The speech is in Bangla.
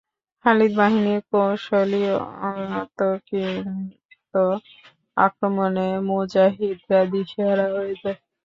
খালিদ বাহিনীর কৌশলী ও অতর্কিত আক্রমণে মুজাহিদরা দিশেহারা হয়ে যায়।